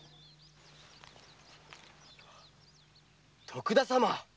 徳田様